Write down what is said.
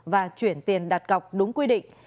và chuyển tiền đặt cọc đúng quy định